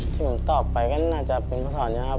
ที่ผมตอบไปก็น่าจะเป็นภาษานี้ครับ